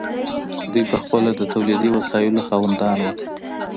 دوی پخپله د تولیدي وسایلو خاوندان وو.